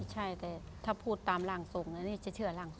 ใช่แต่ถ้าพูดตามรั่งทรงนี่เฉริยรั่งทรง